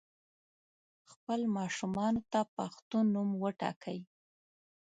خپل ماشومانو ته پښتو نوم وټاکئ